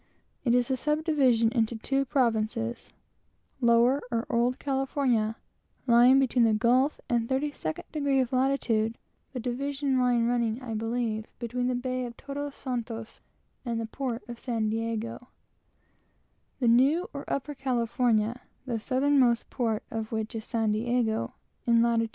It is subdivided into two provinces Lower or Old California, lying between the gulf and the 32d degree of latitude, or near it; (the division line running, I believe, between the bay of Todos Santos and the port of San Diego;) and New or Upper California, the southernmost port of which is San Diego, in lat.